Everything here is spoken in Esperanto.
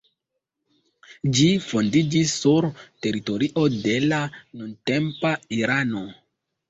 Ĝi fondiĝis sur teritorio de la nuntempa Irano.